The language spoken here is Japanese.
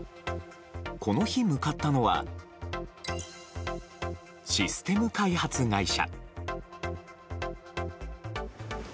この日、向かったのはシステム開発会社。